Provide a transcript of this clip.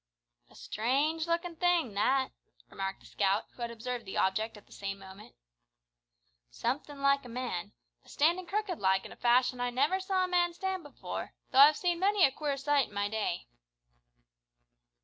"A strange looking thing, that," remarked the scout who had observed the object at the same moment. "Somethin' like a man, but standin' crooked like in a fashion I never saw a man stand before, though I've seen many a queer sight in my day."